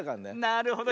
なるほど。